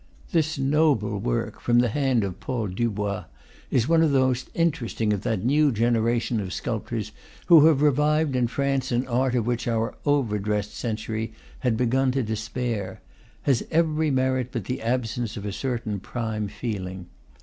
This noble work, from the hand of Paul Dubois, one of the most interesting of that new generation of sculp tors who have revived in France an art of which our overdressed century had begun to despair, has every merit but the absence of a certain prime feeling.